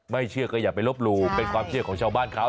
เชื่อก็อย่าไปลบหลู่เป็นความเชื่อของชาวบ้านเขา